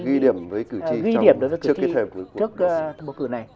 ghi điểm với cử tri trước bầu cử này